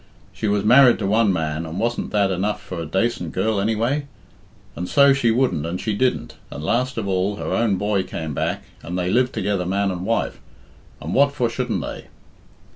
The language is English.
She was married to one man, and wasn't that enough for a dacent girl anyway. And so she wouldn't and she didn't, and last of all her own boy came back, and they lived together man and wife, and what for shouldn't they?"